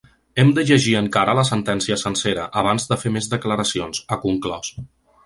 Hem de llegir encara la sentència sencera, abans de fer més declaracions, ha conclòs.